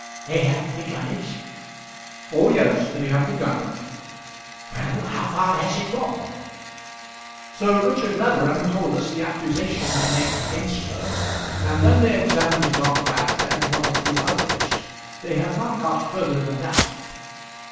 "They have begun it?" "Oh, yes! they have begun it." "Well, how far has it gone?" "Sir Richard Leatherham told us the accusation they make against her, and then they examined Dockwrath and one or two others. They have not got further than that."